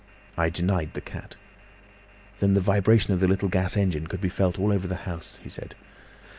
I denied the cat. Then the vibration of the little gas engine could be felt all over the house, he said.